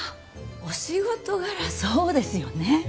お仕事柄そうですよね